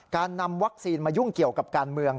การนำวัคซีนมายุ่งเกี่ยวกับการเมือง